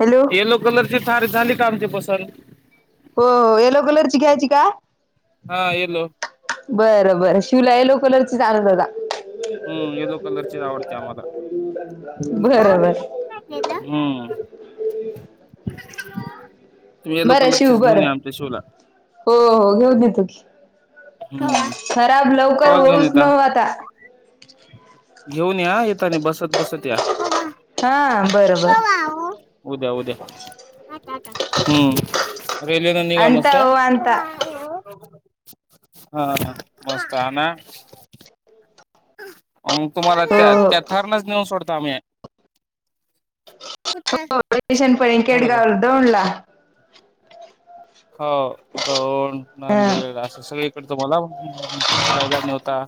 Hello yellow कलरची थार झाली का आमची पसंत. हो हो येलो कलरची घ्यायची का. हा येलो. बर बरं शिवला येलो कलर ची चालत. हम्म येलो कलरचीच आवडते आम्हाला बरोबर. [unintelligible] ह [unintelligible] तुम्ही येलो बरं शिव कलरचीच घेऊन बरं या आमच्या शो ला. हो हो घेऊन देतो की खराब लवकर क घेऊन होऊच न यता. आता येऊन या येतानी बसत बसत या. क हा बरं बर उद्या उद्या हम्म रेल्वे न निघाम असत. आणता हो आणता हा मस्त आहे ना. मग तुम्हाला हो त्या हो त्या ठरणच नेऊन सोडतो आम्ही होशन परी झालं का खेडगाववर दौंडला. हो दौंड हा नंदिर असे सगळे तुम्हाला राहिला नव्हता.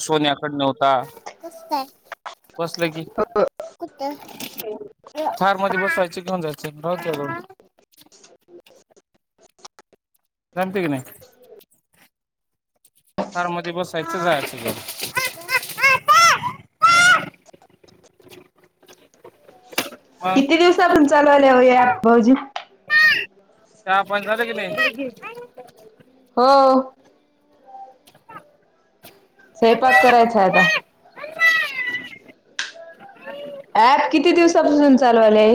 सोन्याकड नव्हता बसलं की हो फार मध्ये बसवायचे घिऊन जायचे रा. [unintelligible] नाही. कारमध्ये बसायचं जायचं [unintelligible] मग किती [unintelligible] भाऊजी? [unintelligible] हो. स्वयंपाक करायचा आहे आता. अँप किती दिवसापासून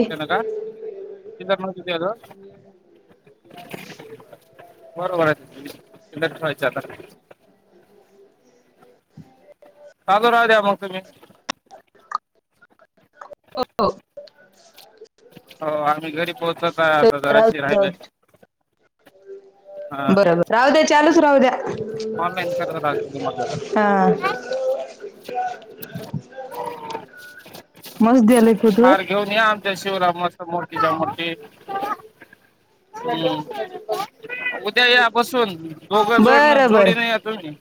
त्यानं का [unintelligible] [inaudible] बरोबर [unintelligible] चालू राहू द्या मग तुम्ही. हो. हो आम्ही घरी पोहोचत हाय. आता राहू जराशी दे राहू राहिलय. दे बरोबर राहू द्या. चालूच राहू द्या. ऑनलाईन करत राहतो तुम्हाला जरा हां. मस दे हार घेऊन या आमच्या शिवरामाच्या मूर्तीच्या मोठी. लड्डू असतोय त्याच्यात बघ. उद्या या बसून. दोघं बरं जोडण-जोडीन या तुम्ही.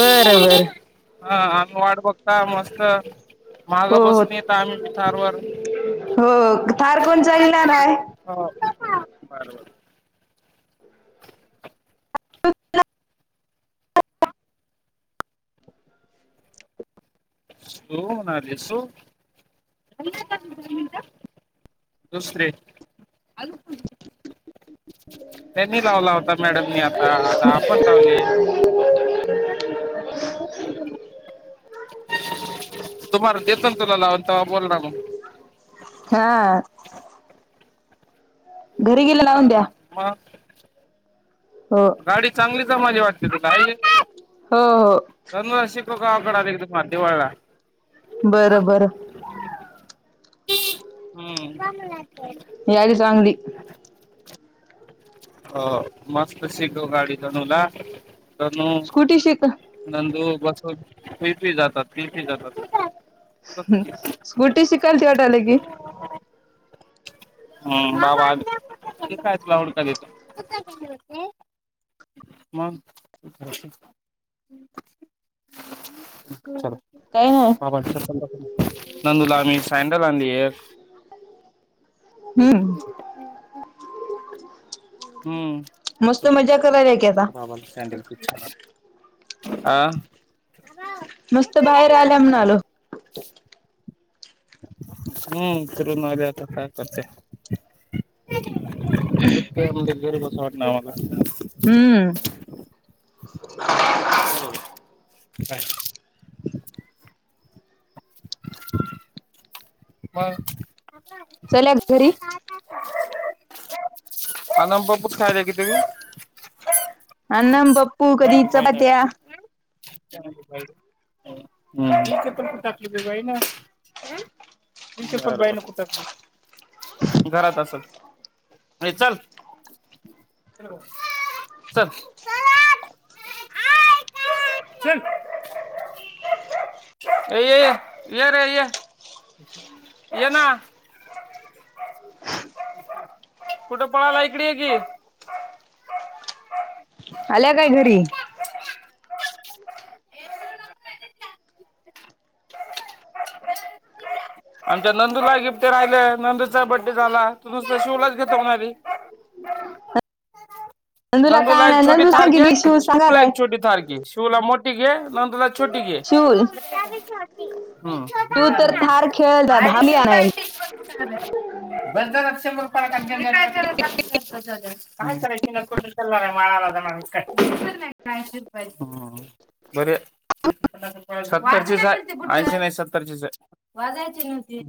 बर. बर. हा आम्ही वाट बघता मस्त. माग हो हो बसून येत आम्ही पिठारवर. हो थार कोण चालणार आहेय हो [inaudible] [inaudible] सो होणारसो [unintelligible] दुसरे त्यांनी लावला होता मॅडमनी आता आता आपण लावले [inaudible] तुम्हाला देत ना तुला लावून तेव बोल ना मग हा घरी गेले लावून द्या हा मग हो गाडी चांगलीच माझी वाटते तुलाय हो हो दोन शिको का आकडा एक त मध्यवाळला बरं बर ब ला याळी चांगली हो मस्त शिको गाडी जाणूला ननू स्कूटी शिक नंदू बस पि पी जातात पिफी जातात स्कुटी शिकाल त वाट आलं की हम् बाबा आयऐला होडथ मग काही नाही बाट नंदूला आम्ही सँडल आणली एक हम्म मस्त हम्म मजा करायला की आता बाबाला सॅडल आा मस्तबाहेर आल्या म्हणालो हम् फिरनु आल्या आता काय करते कुठ्या घैर बस वाट आम्हाला हम्म [inaudible] [inaudible] [inaudible] चल्या घरी आनम बापूत खायला कती वेळ. [inaudible] चपात्या थँक यू [inaudible] [inaudible] [inaudible] घरात असलं ए चलं. [inaudible] [inaudible] ये ना. कुठे पळाला इकडे ये की. आल्या कायं घरी. [inaudible] आमच्या नंदूला गिफ्ट राहिले नंदूचा बडे झाला तु नुसतं शिवलाच घेतो म्हणाली. [inaudible] नंदूला काय एक नाही छोटी नंदू थार घे सांगितली शिव शिवला सांगालाय एक छोटी थार घे शिवला मोठी घे नंदूला- छोटी घे. [inaudible] शिव तू तर थार खेळला भाली आडीशे आणायला रूपये [inaudible] काय करायचं हं बर सत्तरचीच आहे ऐंशी नाही सत्तरचीच आहे. [unintelligible] तशी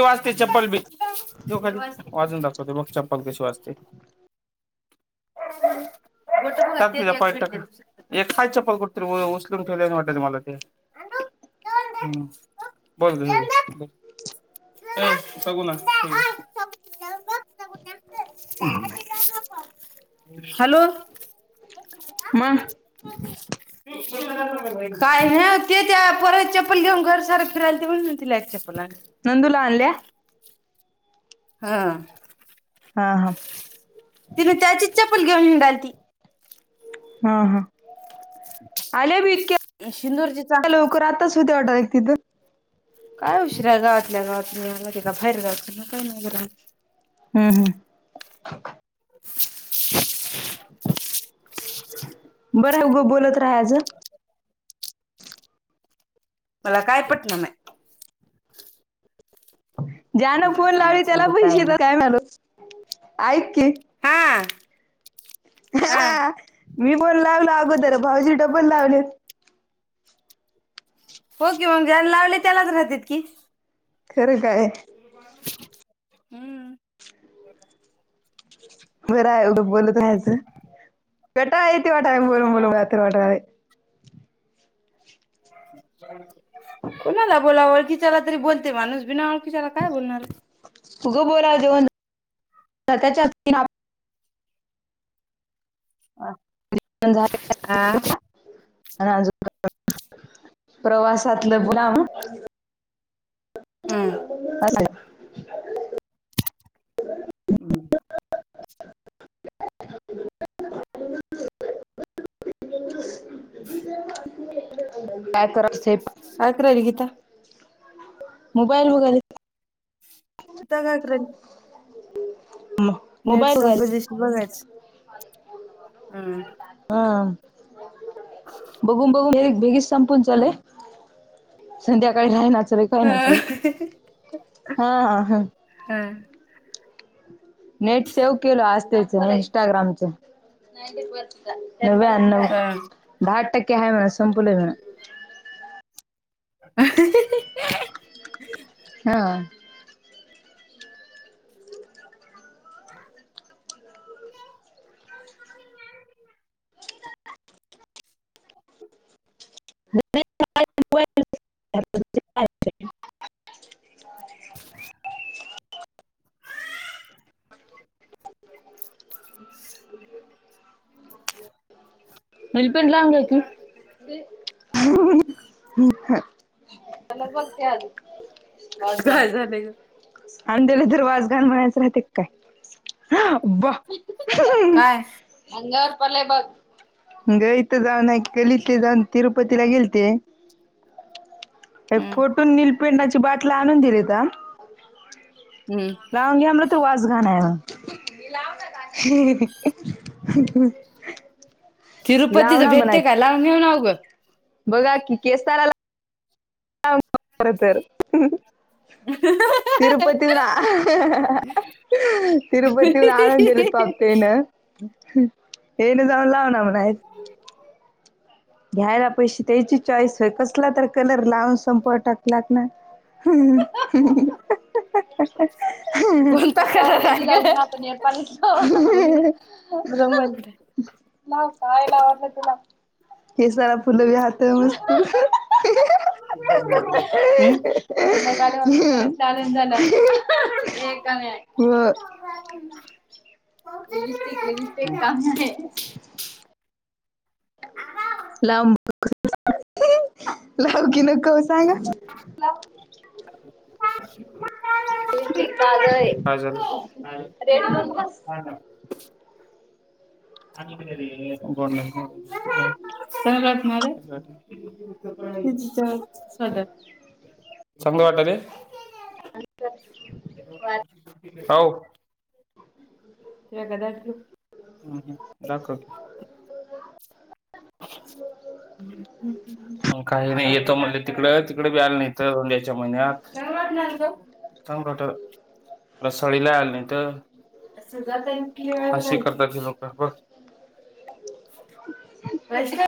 वाजते चप्पल बी ठेव खाली वाजून दाखवते मग चप्पल कशी वाजते. [inaudible] एक हाय चप्पल कुठतर उचलून ठेवल्याने वाटालय मला ते [unintelligible] ये सगूना. हॅलो. मग [unintelligible] काय ह त त्या पोराची चप्पल ल घेऊन घर सारा फिरायलती म्हणून तिला एक चप्पल आणलं. नंदुला आणल्या. हा हा हा. तिने त्याची चप्पल घेऊन हिंडालती. हा हा आले बी इतक्यात सिंदूरजीचा क्या लवकरं आता. ऑर्डर आहे तिथं. कायं उशिरा आहे गावातल्या गावात मला बाहेर गावी काय हं हं [inaudible] बरं उगं बोलत राहायचं. मला काय पटल नाही. ज्यान बिना फोन लावले कामाचं त्याला उगच पैसे टाइम येतात काय ऐक की आ हा. मी पण लागलो अगोदर भाऊजी डबल लावलेतं. हो की मगं ज्याने लावले त्यालाच राहतात की. खरं. काय हं बरं आहे उंग बोलत रहायचं. वाटा बोलून बोलू वाटा आहे. कोणाला बोलावर किच्याला तरी बोलते माणूस बिनावर किच्याला काय बोलणार उग बोला देऊन त्याच्या हा झा आणि अजून प्रवासातलं गलाम हम्म अस हं [unintelligible] काय करत होती अक्र ल गीता मोबाईल बगायल उताका करा नेट मोबाईल वगैरे संपदिशी बघायच हा बघून बघून बेगीच संपून चाले संध्याकाळी ना काय ना चले हम्म हा हा हा हा नेट सेव केलो आज तेच इंस्टाग्रामच नवव्याण्णव दहाठ टक्के आहे म्हणा संपलं [unintelligible] हा [unintelligible] [unintelligible] मल पण लाग की लगग काय झा नाही ग अं त्या्याला तर वाजगान म्हणायचं राहते काय ब काय हंगर पले बघ गथ जाऊन आहे गलितले जाऊन तिरुपतीला गेल ते एक हम्म फोटून नीलपंडाची बाटला आणून दिली का हम्म गवगी हमला तर रवाज गा आहे [unintelligible] लाव तिरुपतीचं ना म्हणा भेटते काय लावून घेऊन अवघं बघा की केसताराला तर तिरुपती हा तिरुपतीहून आळंदीला चालते ना ये ना जाऊन लाव ना म्हणा आहेत घ्यायला पैसे त्याची चॉईस होय कसला तर कलर लावून संप टाकलात ना हम्म कोणता का कलर मेहंदी आहे ग काज ना नपाल बघू दे माझा मोबाईल कुठे आहे? ना कायला वर् तला हे सारा फुल भी हते मस् ह चालेज झालं एक नाही ह ह [inaudible] लिपस्टिक लिपस्टिक काम आहे लांब लाव की नक सांगा ह मस् काजल आहे काय झालं? रेडी होन बस आणि ब सटणार आहे स्त चग वाट र वा हो ते का दाख दाखवते म्ह तिकडं तिकडे ब आला नाही तर महिन्यात चांग सळीला आल नाही तर करत नक ब प्रश्न